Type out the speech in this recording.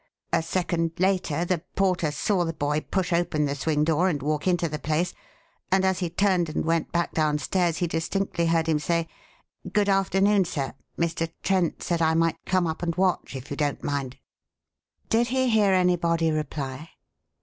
A second later the porter saw the boy push open the swing door and walk into the place, and as he turned and went back downstairs he distinctly heard him say, 'Good afternoon, sir. Mr. Trent said I might come up and watch, if you don't mind.'" "Did he hear anybody reply?"